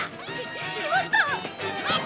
ししまった！